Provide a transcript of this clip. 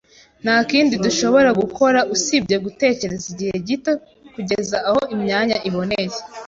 Nta kindi dushobora gukora usibye gutegereza igihe gito kugeza aho imyanya iboneye.